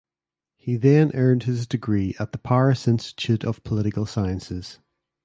He then earned his degree at the Paris Institute of Political Sciences.